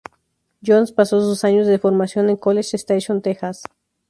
Jones pasó sus años de formación en College Station, Texas.